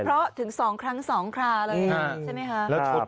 เพราะถึง๒ครั้ง๒คราเลยใช่ไหมคะ